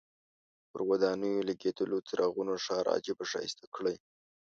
پر ودانیو لګېدلو څراغونو ښار عجیبه ښایسته کړی.